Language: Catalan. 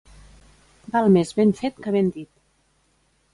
Val més ben fet que ben dit.